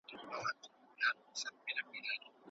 انتوني ګیدنز وايي چې د دې علم اصلي موضوع زموږ رفتار دی.